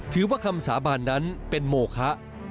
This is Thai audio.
ถือว่าคำสาบานนั้นเป็นโมคะ